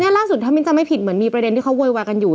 ล่าสุดถ้ามิ้นจำไม่ผิดเหมือนมีประเด็นที่เขาโวยวายกันอยู่